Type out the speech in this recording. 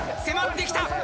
迫ってきた。